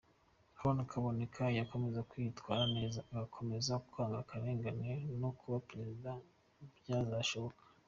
hon Kaboneka nakomeza kwitwara neza agakomeza kwanga akarengane no kuba perezida byazashoboka.